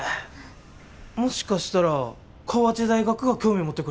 もしかしたら河内大学が興味持ってくれるかも。え？